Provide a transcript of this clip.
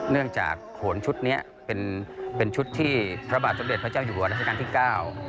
จากโขนชุดเนี้ยเป็นเป็นชุดที่พระบาทสมเด็จพระเจ้าอยู่หัวรัชกาลที่เก้า